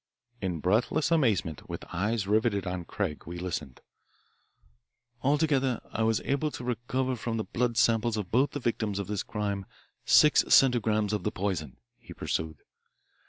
In breathless amazement, with eyes riveted on Craig, we listened. "Altogether I was able to recover from the blood samples of both of the victims of this crime six centigrams of the poison," he pursued.